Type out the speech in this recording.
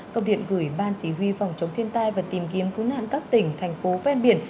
công điện gửi ban chỉ huy phòng chống thiên tai và tìm kiếm cứu nạn các tỉnh thành phố ven biển